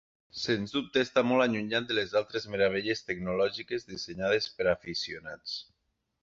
Sens dubte està molt allunyat de les altres meravelles tecnològiques dissenyades per a aficionats.